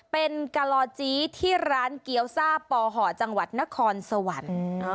เป็นกะลอจี้ที่ร้านเกี้ยวซ่าปอห่อจังหวัดนครสวรรค์